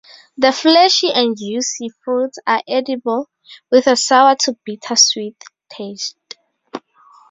The fleshy and juicy fruits are edible with a sour to bitter sweet taste.